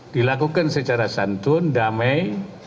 dilakukan secara santun damai